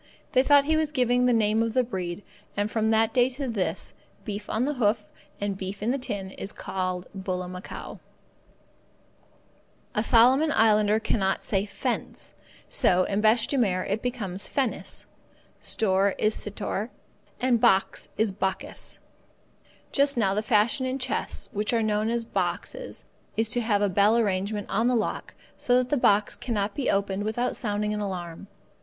They thought he was giving the name of the breed, and from that day to this, beef on the hoof and beef in the tin is called bullamacow. A Solomon islander cannot say fence, so, in bêche de mer, it becomes fennis; store is sittore, and box is bokkis. Just now the fashion in chests, which are known as boxes, is to have a bell arrangement on the lock so that the box cannot be opened without sounding an alarm.